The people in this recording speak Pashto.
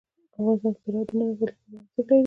افغانستان کې زراعت د نن او راتلونکي لپاره ارزښت لري.